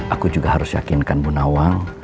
aku juga harus yakinkan bu nawang